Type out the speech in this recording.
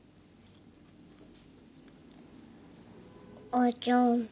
彩ちゃん。